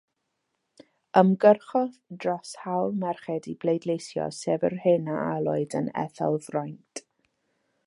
Ymgyrchodd dros hawl merched i bleidleisio, sef yr hyn a alwyd yn etholfraint.